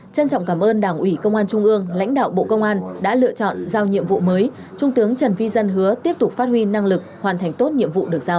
trân trọng cảm ơn đảng ủy công an trung ương lãnh đạo bộ công an đã lựa chọn giao nhiệm vụ mới trung tướng trần vi dân hứa tiếp tục phát huy năng lực hoàn thành tốt nhiệm vụ được giao